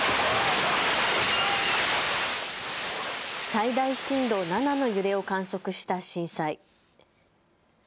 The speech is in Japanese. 最大震度７の揺れを観測した震災。